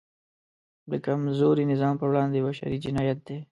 د کمزوري نظام پر وړاندې بشری جنایت دی.